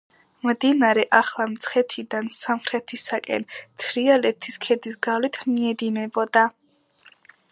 მდინარე ახლა მცხეთიდან სამხრეთისაკენ, თრიალეთის ქედის გავლით მიედინებოდა.